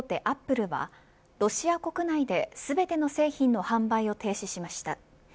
アップルはロシア国内で、全ての製品の販売を停止しました。